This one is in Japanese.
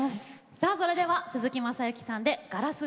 さあそれでは鈴木雅之さんで「ガラス越しに消えた夏」